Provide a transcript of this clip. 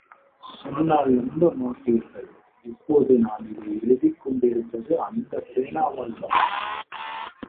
சொன்னால் நம்ப மாட்டீர்கள் இப்போது நான் இதை எழுதிக் கொண்டிருப்பது அந்தப் பேனாவால்தான்!